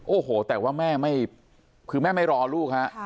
โอ้โหแต่ว่าแม่ไม่คือแม่ไม่รอลูกฮะ